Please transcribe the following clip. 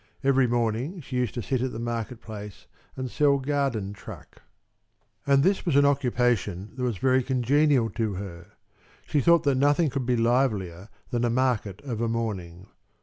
Every morning she used to sit at the market place and sell garden truck. And this was an occupation that was very congenial to her. She thought nothing could be livelier than a market of a morning.